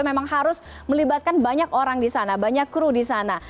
memang harus melibatkan banyak orang di sana banyak kru di sana